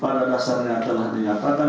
pada dasarnya telah diatakan